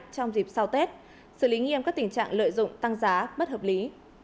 trong dịp sau tết xử lý nghiêm các tình trạng lợi dụng tăng giá bất hợp lý